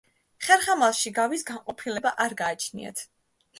ხერხემალში გავის განყოფილება არ გააჩნიათ.